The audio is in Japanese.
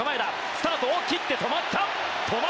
スタートして止まった。